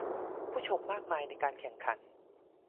ผู้ชมมากมายในการแข่งขัน